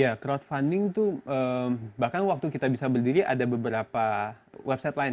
ya crowdfunding itu bahkan waktu kita bisa berdiri ada beberapa website lain